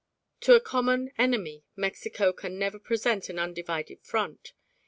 To a common enemy Mexico can never present an undivided front.